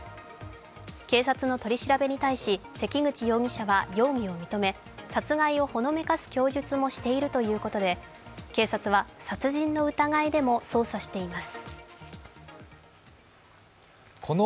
警察の取り調べに対し、関口容疑者は容疑を認め、殺害をほのめかす供述もしているということで警察は殺人の疑いでも捜査しています。